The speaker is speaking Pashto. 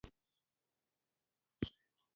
موټر ډېر ډولونه لري.